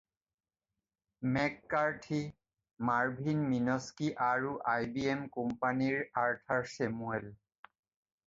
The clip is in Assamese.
মেককাৰ্থি, মাৰ্ভিন মিনস্কি আৰু আইবিএম কোম্পানীৰ আৰ্থাৰ ছেমুৱেল।